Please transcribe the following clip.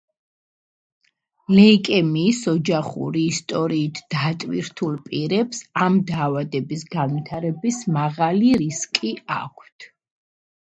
ლეიკემიის ოჯახური ისტორიით დატვირთულ პირებს ამ დაავადების განვითარების მაღალი რისკი აქვთ.